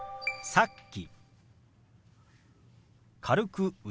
「さっき」。